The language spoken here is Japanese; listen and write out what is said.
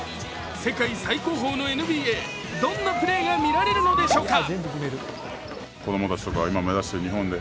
世界最高峰のＮＢＡ、どんなプレーが見られるのでしょうか。